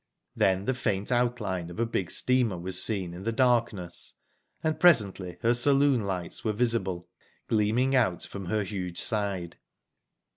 Then the faint outline of a big steamer was seen in the darkness, and presently her saloon lights were visible, gleaming out from her huge side.